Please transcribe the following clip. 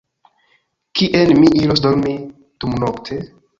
Kien mi iros dormi dumnokte?